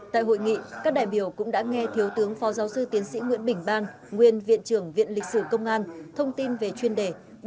tại hội nghị các đại biểu cũng đã nghe thiếu tướng phó giáo sư tiến sĩ nguyễn bình ban nguyên viện trưởng viện lịch sử công an thông tin về chuyên đề